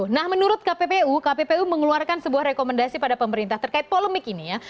nah menurut kppu kppu mengeluarkan sebuah rekomendasi pada pemerintah terkait polemik ini ya